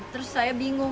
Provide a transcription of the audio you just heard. terus saya bingung